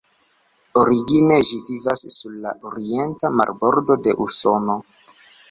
Origine ĝi vivas sur la orienta marbordo de Usono.